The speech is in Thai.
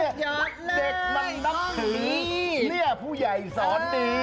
ทั้งทั้งคือเรียกผู้ใหญ่สอนดี